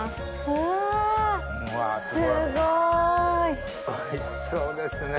おいしそうですね。